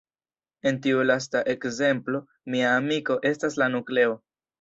En tiu lasta ekzemplo "mia amiko" estas la nukleo.